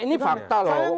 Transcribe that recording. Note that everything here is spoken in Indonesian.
ini fakta loh